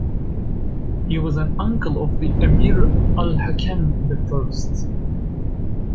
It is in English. He was an uncle of the Emir Al-Hakam the First.